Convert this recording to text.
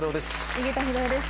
井桁弘恵です。